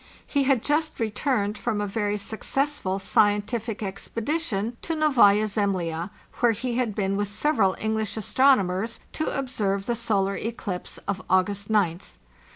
He had just returned from a very successful scientific expedition to Novaya Zemlya, where he had been with several English astronomers to observe the solar eclipse of August gth.